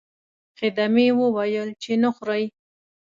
خدمې وویل چې نه خورئ.